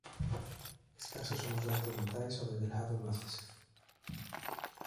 Escasos son os datos vitais sobre Delgado Luaces.